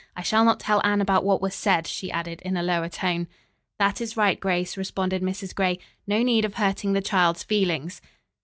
"I shall not tell Anne about what was said," she added in a lower tone. "That is right, Grace," responded Mrs. Gray. "No need of hurting the child's feelings."